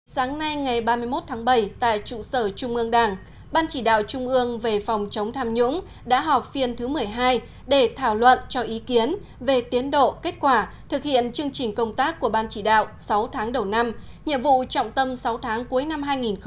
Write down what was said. sáng nay ngày ba mươi một tháng bảy tại trụ sở trung ương đảng ban chỉ đạo trung ương về phòng chống tham nhũng đã họp phiên thứ một mươi hai để thảo luận cho ý kiến về tiến độ kết quả thực hiện chương trình công tác của ban chỉ đạo sáu tháng đầu năm nhiệm vụ trọng tâm sáu tháng cuối năm hai nghìn một mươi chín